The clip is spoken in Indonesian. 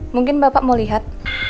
mungkin bapak mau lihat